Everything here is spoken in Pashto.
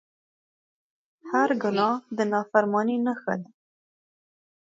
هر ګناه د نافرمانۍ نښه ده